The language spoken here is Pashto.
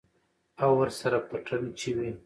او ورسره پټن چوي.